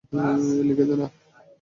লিখে দে না।